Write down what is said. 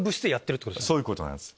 そういうことなんです。